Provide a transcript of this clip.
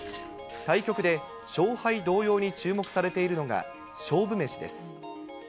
対局で、勝敗同様に注目されているのが勝負メシです。